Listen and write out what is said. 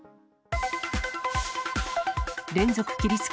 連続切りつけ？